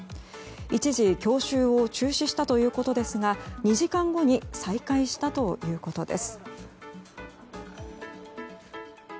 一時、教習を中止したということですが２時間後に再開したということです。